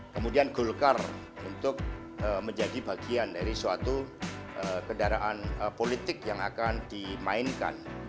kemudian golkar untuk menjadi bagian dari suatu kendaraan politik yang akan dimainkan